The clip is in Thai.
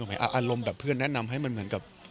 อารมณ์แบบเพื่อนแนะนำให้มันเหมือนกับ